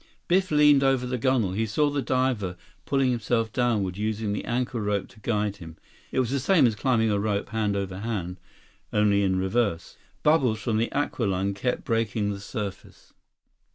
173 Biff leaned over the gunnel. He saw the diver pulling himself downward, using the anchor rope to guide him. It was the same as climbing a rope hand over hand, only in reverse. Bubbles from the aqualung kept breaking the surface.